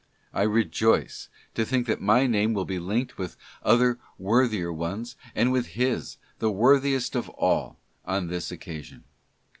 I rejoice to think that my name will be linked with other worthier ones, and with his, the worthiest of all, on this occasion.